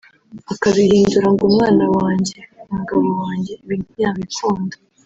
akabihindura ngo umwana wanjye (umugabo wanjye ) ibi ntabikunda